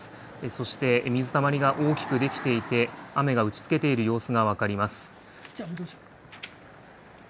そして水たまりが大きく出来ていて、雨が打ちつけている様子が分かります。